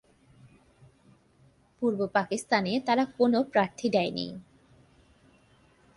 পূর্ব পাকিস্তানে তারা কোন প্রার্থী দেয়নি।